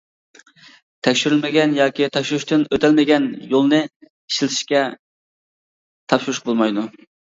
تەكشۈرۈلمىگەن ياكى تەكشۈرتۈشتىن ئۆتەلمىگەن يولنى ئىشلىتىشكە تاپشۇرۇشقا بولمايدۇ.